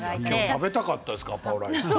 食べたかったですガパオライス。